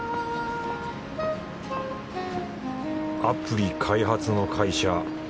アプリ開発の会社